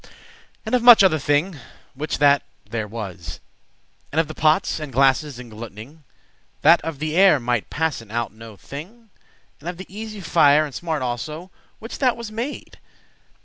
And of much other thing which that there was? And of the pots and glasses engluting,* *sealing up That of the air might passen out no thing? And of the easy* fire, and smart also, *slow quick Which that was made?